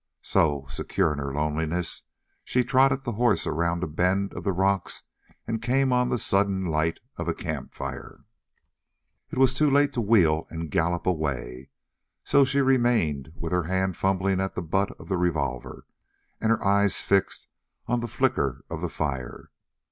So, secure in her loneliness, she trotted the horse around a bend of the rocks and came on the sudden light of a campfire. It was too late to wheel and gallop away; so she remained with her hand fumbling at the butt of the revolver, and her eyes fixed on the flicker of the fire.